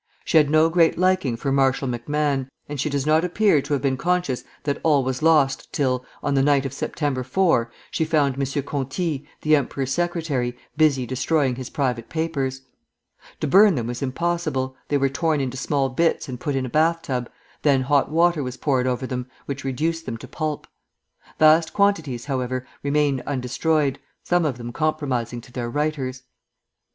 She had no great liking for Marshal MacMahon, and she does not appear to have been conscious that all was lost till, on the night of September 4, she found M. Conti, the emperor's secretary, busy destroying his private papers. To burn them was impossible; they were torn into small bits and put in a bath tub, then hot water was poured over them, which reduced them to pulp. Vast quantities, however, remained undestroyed, some of them compromising to their writers.